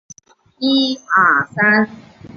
他是在加州大学伯克利分校的终身教授。